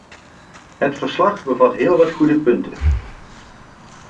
Het verslag bevat heel wat goede punten.